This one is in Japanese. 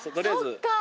そっか！